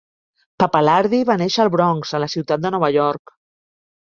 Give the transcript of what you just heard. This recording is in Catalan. Pappalardi va néixer al Bronx, a la ciutat de Nova York.